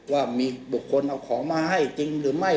ว่ามีบุคคลเอาของมาให้จริงหรือไม่